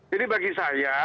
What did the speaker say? jadi bagi saya